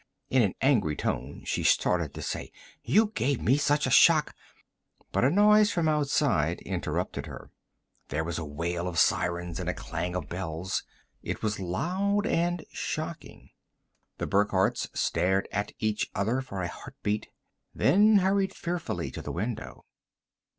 In an angry tone, she started to say: "You gave me such a shock " But a noise from outside interrupted her. There was a wail of sirens and a clang of bells; it was loud and shocking. The Burckhardts stared at each other for a heartbeat, then hurried fearfully to the window.